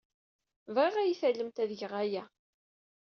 Bɣiɣ ad iyi-tallemt ad geɣ aya.